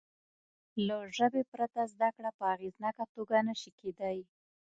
له ژبې پرته زده کړه په اغېزناکه توګه نه شي کېدای.